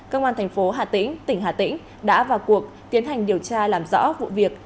công an thành phố hà tĩnh tỉnh hà tĩnh đã vào cuộc tiến hành điều tra làm rõ vụ việc